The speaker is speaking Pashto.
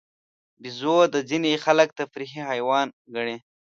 بیزو ته ځینې خلک تفریحي حیوان ګڼي.